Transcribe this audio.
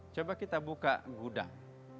coba kita buka gudang